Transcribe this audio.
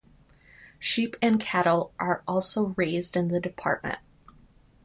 Sheep and cattle are also raised in the department.